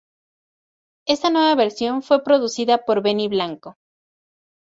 Esta nueva versión fue producida por Benny Blanco.